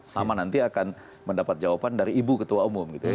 sama nanti akan mendapat jawaban dari ibu ketua umum gitu ya